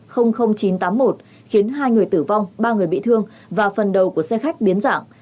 khiến hai người tử vong ba người bị thương và phần đầu của xe khách biến dạng